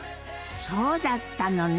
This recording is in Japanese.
そうだったのね。